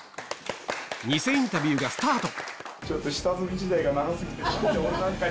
ニセインタビューがスタート